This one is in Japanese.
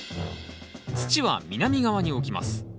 土は南側に置きます。